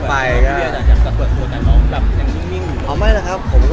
แต่ต่อนนี้เสาไหว